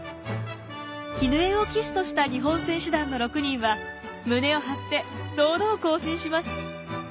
絹枝を旗手とした日本選手団の６人は胸を張って堂々行進します。